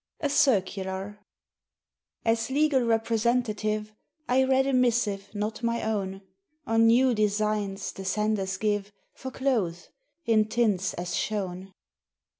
A CIRCULAR AS "legal representative" I read a missive not my own, On new designs the senders give For clothes, in tints as shown.